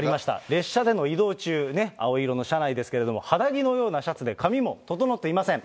列車での移動中、青色の車内ですけれども、肌着のようなシャツで、髪も整っていません。